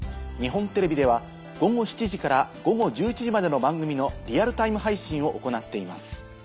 日本テレビでは午後７時から午後１１時までの番組のリアルタイム配信を行っています。